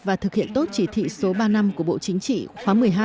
và thực hiện tốt chỉ thị số ba năm của bộ chính trị khóa một mươi hai